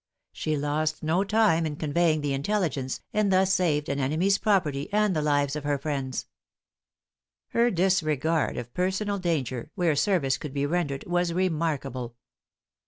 She lost no time in conveying the intelligence, and thus saved an enemy's property, and the lives of her friends. Her disregard of personal danger, where service could be rendered, was remarkable.